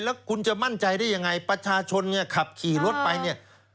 แล้วคุณจะมั่นใจได้ยังไงประชาชนเนี่ยขับขี่รถไปเนี่ย